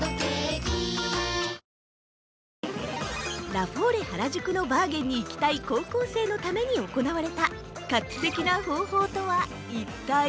◆ラフォーレ原宿のバーゲンに行きたい高校生のために行なわれた画期的な方法とは一体？